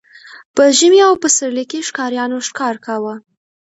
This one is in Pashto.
په ژمي او پسرلي کې ښکاریانو ښکار کاوه.